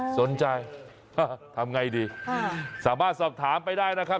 สนใจทำไงดีสามารถสอบถามไปได้นะครับ